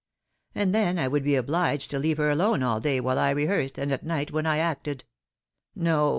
And then I would be obliged to leave her alone all day while I rehearsed, and at night when I acted. No!